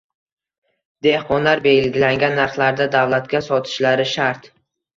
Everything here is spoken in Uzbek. dehqonlar belgilangan narxlarda davlatga sotishlari shart.